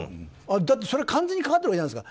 だって、完全にかかってるわけじゃないですか。